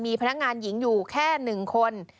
มีพนักงานหญิงอยู่แค่๑คน